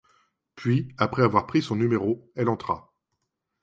Puis, après avoir pris son numéro, elle entra.